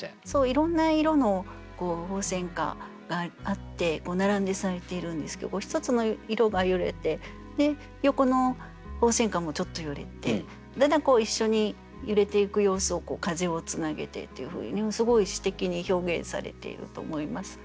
いろんな色の鳳仙花があって並んで咲いているんですけど一つの色が揺れて横の鳳仙花もちょっと揺れてだんだん一緒に揺れていく様子を「風をつなげて」っていうふうにすごい詩的に表現されていると思います。